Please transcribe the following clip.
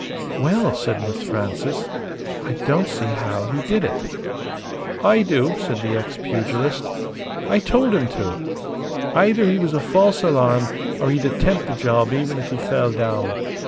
"Well!" said Miss Frances. "I don't see how he did it." "I do," said the ex pugilist. "I told him to. Either he was a false alarm, or he'd attempt the job even if he fell down.